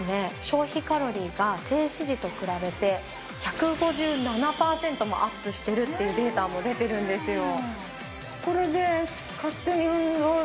消費カロリーが静止時と比べて１５７パーセントもアップしてるっていうデータも出てるんですよ。